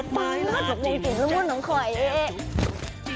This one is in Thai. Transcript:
มีสิ่งเหมือนของขวายเอง